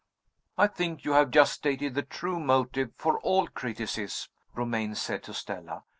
"I think you have just stated the true motive for all criticism," Romayne said to Stella.